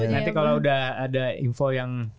nanti kalau udah ada info yang